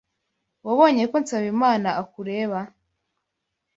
Wabonye ko Nsabimana akureba?